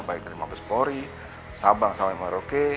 baik dari magus polri sabang sampai merauke